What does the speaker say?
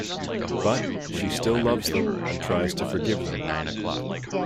But, she still loves them and tries to forgive them.